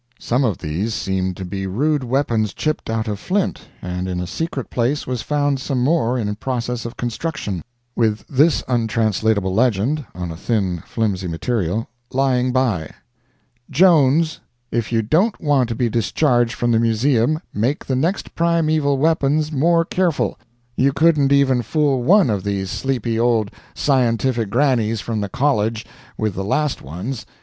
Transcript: Some of these seemed to be rude weapons chipped out of flint, and in a secret place was found some more in process of construction, with this untranslatable legend, on a thin, flimsy material, lying by: "'Jones, if you don't want to be discharged from the Musseum, make the next primeaveal weppons more careful you couldn't even fool one of these sleepy old syentific grannys from the Coledge with the last ones.